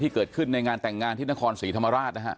เกิดขึ้นในงานแต่งงานที่นครศรีธรรมราชนะฮะ